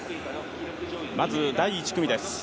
まず第１組です。